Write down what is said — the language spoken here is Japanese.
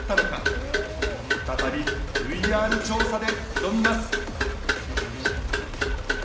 再びＶＲ調査で挑みます。